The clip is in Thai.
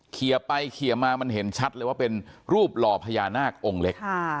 เคลียร์ไปเคลียร์มามันเห็นชัดเลยว่าเป็นรูปหล่อพญานาคองค์เล็ก